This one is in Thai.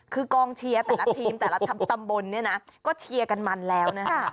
คือกองเชียร์แต่ละทีมแต่ละตำบลเนี่ยนะก็เชียร์กันมันแล้วนะคะ